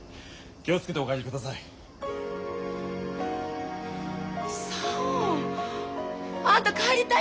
気を付けてお帰りください。